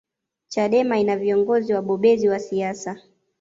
chadema ina viongozi wabobezi wa siasa